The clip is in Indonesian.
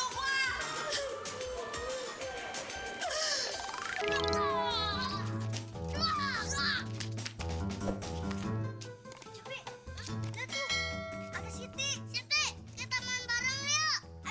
karena kalau rambut cowok itu gak gondrong